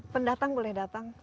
pendatang boleh datang